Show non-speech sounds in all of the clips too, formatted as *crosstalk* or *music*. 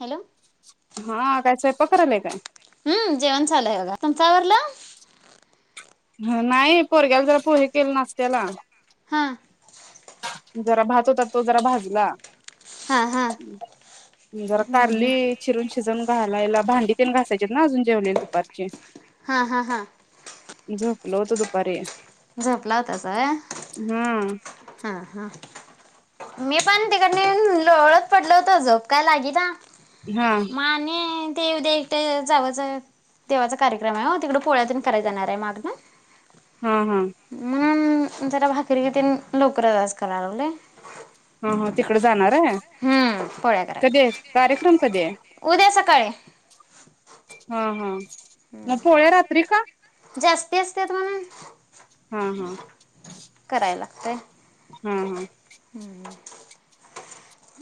Hello हा काय स्वयंपाक? *unintelligible* करालाय काय? हंं जेवण चालू आहे बघा तुमच आवरलं? नाही पोरग्याला जरा पोहे केले नाश्त्याला हा जरा मग भात होता तो जरा भाजला हा हा जरा कारली चिरून शिजून घालायला भांडी तेन घासायचीत ती न अजून जेवलेली दुपारची. हा हा हा झोपलो होतो दुपारी. झोपलावतासा व्हय? हा हा हा मी पण तिकडन येऊन लोळत पडलोहोतो झोप काही लागीना. हा म आणि ते उद्या इकडं जावचं देवाचा कार्यक्रम आहे ओ तिकड पोळ्यातेन करायला जाणार आहे मागनं. हा हा म्हणून जरा भाकरी तेन लवकरच आज करायला लागलोय. हा हा तिकडे जाणार हाय हम्म पोळ्या करायला कधी हाय कार्यक्रम कधी हाय उद्या सकाळी या. हा हा मग पोळ्या रात्री का? तेच तेच म्हणून हं हं काय हं हं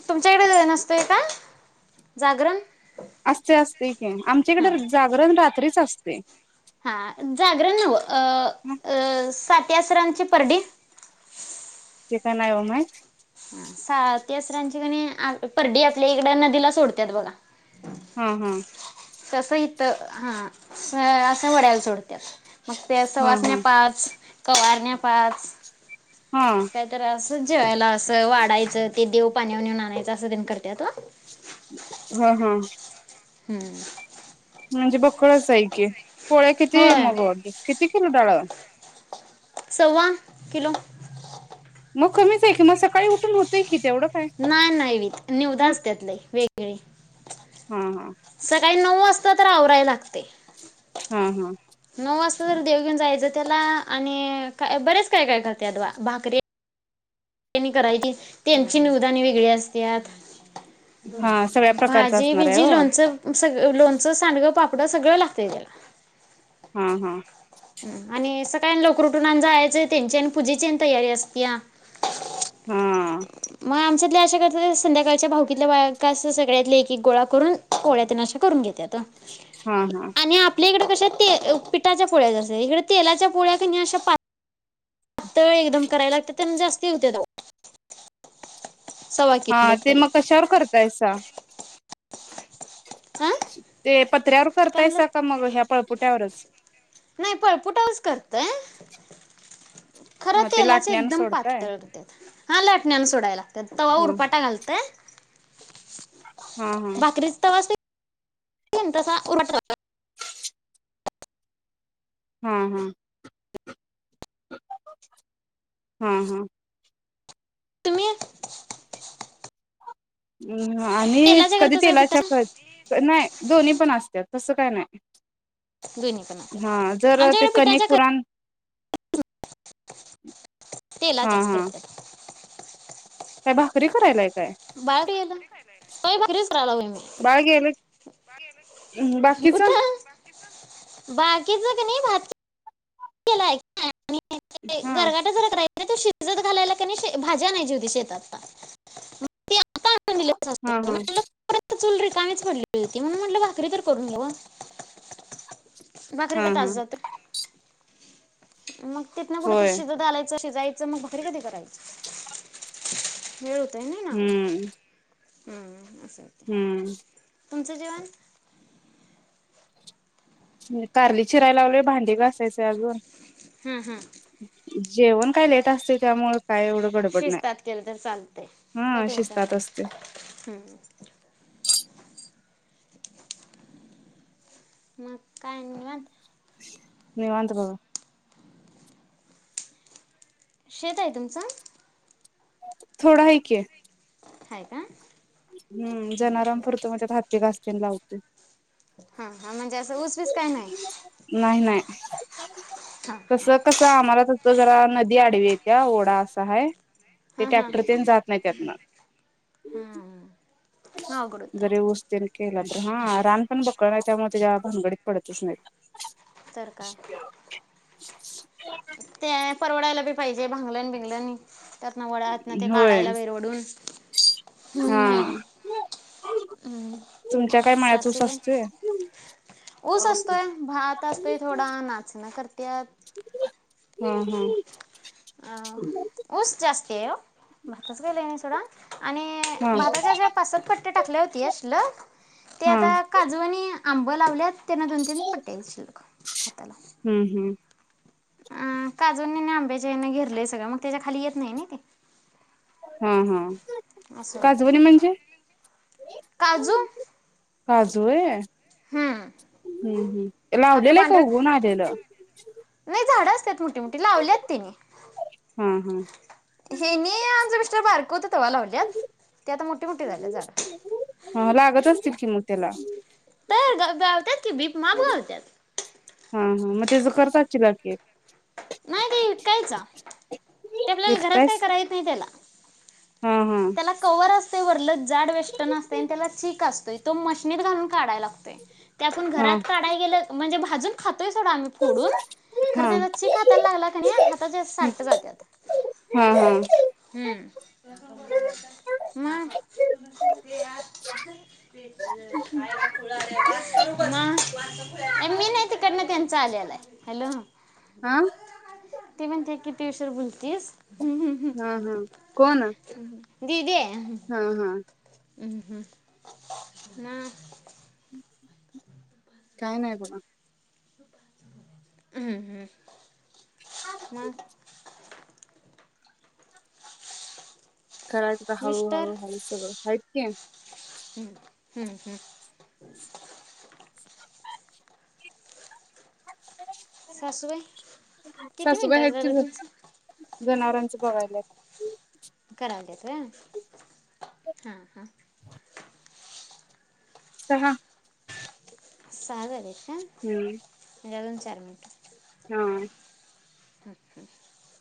तुमच्याकडे नसतोय का जागरण असतय असतय की हां आमच्याकडे जागरण रात्रीच तसच असतय. हा जागरण नव अ आ सात त्या सरांची परडी ते काय नाय बाबा माहित. साती आसरांची कणी परडी आपल्याकड नदीला सोडत्यात बघा हं हं तसं इथं हा असं असं ओढ्याला सोडतात. मग त्या हा सवाष्ण्या हा. पाच कवरण्या पाच हा तिथच जेवायला असं. सगळ वाढायचं ते देव पाण्यावर नेऊन आणायचं असं तेंन करत्यात ओ ह ह हु अ म्हणजे बघ. कळस हाय की पोळ्या किती होय मग किती? *unintelligible* सव्वा किलो मग कमीच आहे की मग सकाळी उठून होतंय की, तेवढं काय नाय नाय निवद असत्यात लई वेगळी हं हं सकाळी नऊ वाजता तर आवरायला लागतय. हा हा नऊ वाजता तर देव घेऊन जायचं त्याला आणि का बरंच काय काय करत्यात बा भाकरी त्यांनी करायचे आणि त्यांची निवद आणि वेगळी असत्यात. हा सगळ्या प्रकारचा भाजी असणार आहे बिझी हो लोणचं म सगळं. लोणचं, सांडग, पापड सगळं लागतय त्याला हा हा आणि स *unintelligible* लवकर उठून जायचय त्यांची पूजेची आणि तयारी असतेया. हा! म अमचातल्या अशा करत्यात संध्याकाळच्या भावकितल्या बायका सगल्यातल्या एक एक गोळा करून पोळ्या तीन अस करून घेत्यात. हा हा आणि आपल्या इकडं कस्या ते पिठाच्या पोळ्या जास सत्यात इकडं तेलाच्या पोळ्या कणे अश्या पात तळ एकदम करायला तिथं म जास्ती हुत्यात अहो. सव्वा हा किलो ते तरी मग कशावर करताइसा? अ ते पत्र्यावर काय म्हणलं करताइसा का मग ह्या पळपोट्यावरचं? नाही पोळपोटावरच करतोय खर हा ते तेलाच्या लाटण्यान एकदम सोडताय पातळ होत्यात, हा लाटण्यानं सोडाय लागत्यात. तवा हा उरपाटा घालताय? हा हा भाकरीचा तवा अस तसा उलटा हा हा हा हा. तुम्ही? आणी तेलाच्या कधी करतास काय तेलाच्या कर, पिठाच्या नाही दोन्हीं पण अस त्यात तस काय नाय दोन्ही पण हा होत्यात जर ते आमच्याकडे कणीक पिठाच्या कर पुराण *inaudible* हा तेलाच्याच हा करत्यात. काय भाकरी करायलाय? काय बाळ कुट गेलं होय भाकरी कराय लागलोय मी बाळ गेलं बाकीच हा कुट बाकीचं कणी भा रिकामा ऑडिओ *inaudible* *inaudible* आणि ते हा गरगाट जरा का नाय आणि ते शिजत घालायला कणी भाजी आणायची होती शेतातन त्य हा हा चूल रिकामीच पडली होती म्हणून म्हटल भाकरी तर करून घ्यावं. हा भाकरीका तास हा जातोय. मग तिथनं फूडं ते होय शिजत घालायचं. जायचं मग भाकरी कधी करायचं? वेळ होतोय. नाईना आला. हम‌ ह‌ ह. हम‌. तूमचं जेवाण? कारली चिराय लागलोय भांडी घासायचं आहे अजून हम्म हं. जेवण काय लेट असतंय त्यामुळं शिस्तात केलं तर चालतंय काय हा टेंशन शिस्तात नाही. असते हम्म. मग काय आणि निवांत? निवांत बघा. शेत आहे तुमचं थोड हाय की. हाय का? हम्म जनावरां पुरंत म्हणत्यात हत्ती घास किण लावतोय. हा हा म्हणजे असं ऊस बिस काय नाही. *unintelligible* हां हां तसं कसं आम्हाला तसं जरा नदी आडवी इतीया ओढा असा हयं ते हां हां ट्रॅक्टर तेण जात नाही त्यातनं. हा अवघड होता जरी ऊस तेन केला तर हा रान पण बक्कळ आहे त्यामुळे त्याज्या भानगडीत पडतच नाहीत. तर काय ते य परवडायला बी पाहिजे भंगलाण भिगलनी. त्यातंन वढ्यातनं ते होय काढायला बाहेर वढून हा ह‌् ह‌् ह‌् हम‌् तुमच्या काय मळ्यात ऊस सासूबाई? असतोय ऊस असतोय भात असतोय थोडा नाचणं डण करत्यात. हा हा. अह‌ ऊस जास्ती आहे वो भाताच काय लई नाही सोडा. आणि हा हा भाताच्या अश्या पाचसात पट्या टाकल्या होत्या शिल्लक ते हा आता काजू वाणी आबं लावल्यात तेणं दोन तीन पट्या हाईत शिल्लक हाताला ह‌्म ह‌. अ काजूनी आणि आंब्यांच्या हेण घेरलय ते संगळ मग त्याज्या खाली येत नाई नाई ते. हा हा असं होतंय काजवनी म्हणजे? काजू काजु व्हय, हम्म हं हं लावलेलं हाय काय उगवुन आलेलं? नही झाड असत्यात मो हम लावल्यात त्यांनी हा हा हे मी आमच मिस्टर बारक होत तवा लावल्यात ते आता मोठी मोठी झाल्यात झाड. हा *unintelligible* तर गावत्यात की बीप माप गावत्यात हम त्याचं करत असशीला की, नाही ते विकायचा ती आपल्याला घरात काय करायला येत नाही तेला हं! ते वरले जाड वेस्टन असतय आणि त्याला चीक असतोय तो मशनीत घालून काढायला लागतोय. ते आपण, हा घरात काढायला गेलं म्हणजे भाजून? घेतोय सोडा आम्ही फोडून खरं, हा त्याचं चीक, हाताला लागला क नी हाताचे हा सालट जातात हा हुं मंग. मी नाही, तिकडंन त्यांचा आलेला हाय हॅलो. *unintelligible* अं! ती म्हणते किती उशीर बोलतीस ह ह कोण दिदी आहे. हं हं! हम काय नाही बघा हुं हुं! मग करायचं, त हळूहळूहळू सगळं आहेत कि. हंहं सासूबाई किती सासुबाई, मिनटात हायत कि झालं ज तुमचं जनावरांच बघायला हः हः! सहा सहा झालेत काय हुं! मोजून चार मिनिटं *unintelligible* *unintelligible*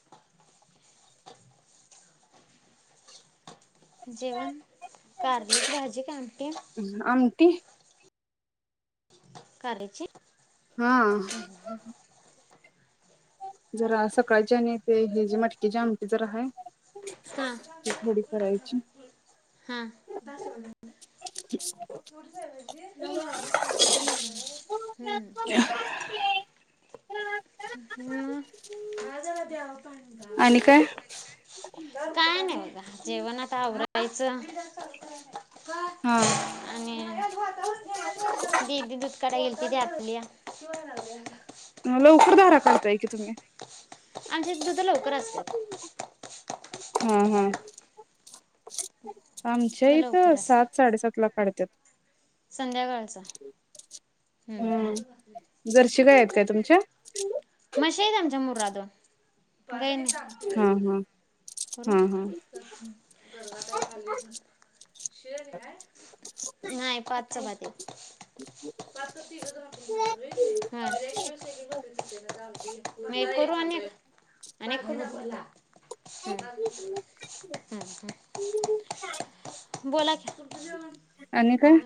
जेवण, कारल्याची भाजी कां आमटी? *inaudible* कार्यची? हा जरा आज सकाळची आणि ते हेची मटकीची आमटी जरा हाय हा हा *unintelligible* नव्हं *unintelligible* हम्म *unintelligible* हम्म आणि काय *unintelligible* काय नाही जेवण आता आवरायचं.... हा आणि दिदी दुध काढाय गेली... *unintelligible* म लवकर धारा काढताय की तुम्ही.... आमच्यात दुधं लवकर असत्यात हा हा *inaudible* आमच्या दुध इथं लवकर सात असतात साडे सात ला काढत्यात संध्याकाळचं.... हम्म हम हम्म जरशी गाया हेत काय तुमच्या? *unintelligible* काय नाही आमटीच हा हा कर करू हा हा शिळं आणि हाय नाही पाच चपात्या हायत फक्त तिघंजण आपण खाणार होय कनी प्रत्येकाची एक एक भाकरी म एक करु आणि एक *unintelligible* हम्म हम्म *inaudible* बोला की तुमचं जेवण आणि काय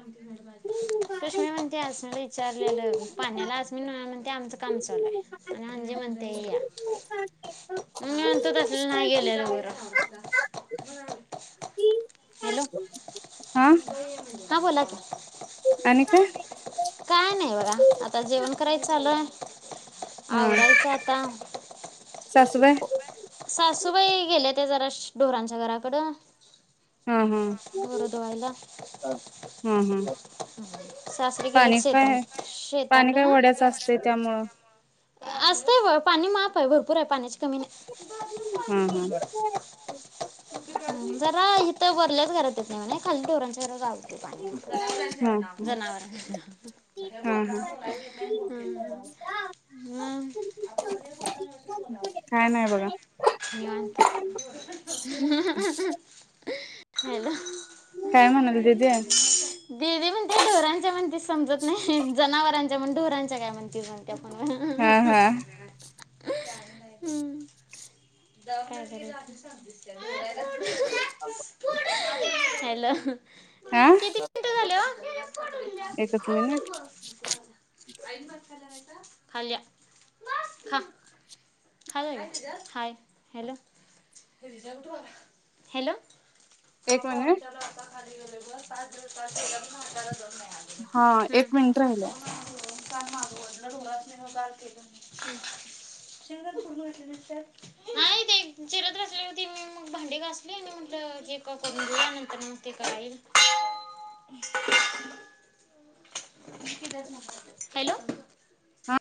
*unintelligible* ते असं विचारल्यालं पाण्याला आस्मिन म्हणत्या आमचं काम चालू हाय आणि अंजी म्हणत्या या मी म्हणतो तसं नाय गेलेलं बरं हॅलो हा हा बोला की... आणि काय कराय चालूय आवरायचं आता सासुबाई सासूबाई *unintelligible* जरा ढोरांच्या घराकडं हा हा बोरं धूवायला... हम्म हम्म हं सासरे गेल्यात शेता पाणी शेताकड काय हां वड्याच असते त्यामुळं असतंय व्हय पाणी माप आहे भरपूर भरपूर आहे पाण्याची कमी नाही... हा हा हं जरा इथं वरल्याच घरात येत नाही *unintelligible* हा हा हा हा काय नाही बघा *unintelligible* *inaudible* हॅलो काय म्हणाल दिदी दीदी म्हणत्या ढोरांच्या म्हणतीस समजत नाही जनावरांच्या म्हण ढोरांच्या काय म्हणती म्हण... हा हा *unintelligible* हं *unintelligible* हॅलो हा किती मिनिटे झाले ओ? एकच मिनिट *unintelligible* हॅलो..... *unintelligible* हॅलो कवा एक मिनिट पावणेचार वाजता *unintelligible* हा एक मिनिट राहिलाय..... नाही ते चिरत बसली होती मी म्हणून भांडी घासली आणि म्हटलं एक कॉल करून घ्या नंतर ते कराय इल.... हॅलो हा